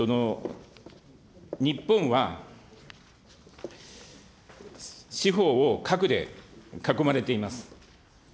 日本は四方を核で囲まれています。